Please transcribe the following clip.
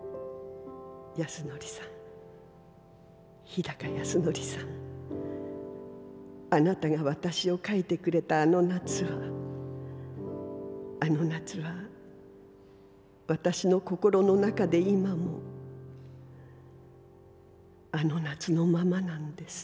日高安典さんあなたが私を描いてくれたあの夏はあの夏は私の心のなかで今もあの夏のままなんです」。